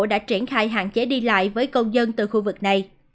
đã triển khai hạn chế đi lại với công dân từ khu vực này